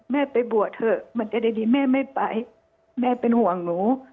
แม่ไปบวชเถอะมันจะดีแม่ไม่ไปแม่เป็นห่วงหนู